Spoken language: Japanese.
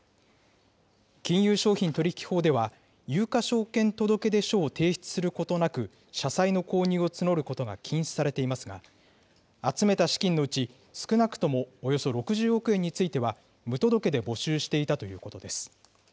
金融商品取引法では、有価証券届出書を提出することなく社債の購入を募ることが禁止されていますが、集めた資金のうち少なくともおよそ６０億円については、無届けで募集していたということです。